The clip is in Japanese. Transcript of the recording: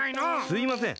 すいません！